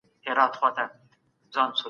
ايا انلاين درسونه د زده کوونکو خپلواکي زیاتوي؟